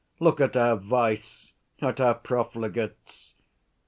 Look at our vice, at our profligates.